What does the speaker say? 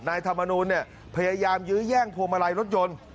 ธรรมนูลเนี่ยพยายามยื้อแย่งพวงมาลัยรถยนต์